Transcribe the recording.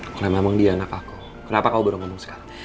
karena memang dia anak aku kenapa kau baru ngomong sekarang